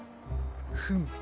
フム。